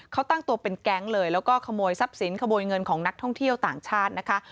เขาตั้งตัวเป็นแก๊งเลยแล้วก็ขโมยทรัพย์สินขโมยเงินของนักท่องเที่ยวต่างชาตินะคะ